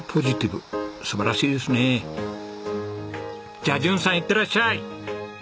じゃあ淳さんいってらっしゃい！